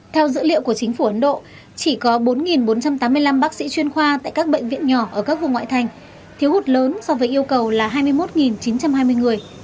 theo dữ liệu của chính phủ ấn độ chỉ có bốn bốn trăm tám mươi năm bác sĩ chuyên khoa tại các bệnh viện nhỏ ở các vùng ngoại thành thiếu hút lớn so với yêu cầu là hai mươi một chín trăm hai mươi người